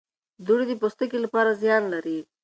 دوړې د پوستکي لپاره زیان لري.